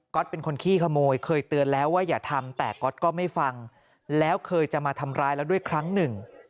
เป็นคนขี้ขโมยเคยเตือนแล้วว่าอย่าทำแต่ก๊อตก็ไม่ฟังแล้วเคยจะมาทำร้ายแล้วด้วยครั้งหนึ่ง